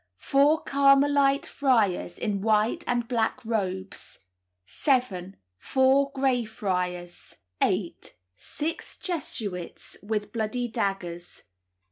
Four Carmelite friars, in white and black robes. 7. Four Grey Friars. 8. Six Jesuits with bloody daggers.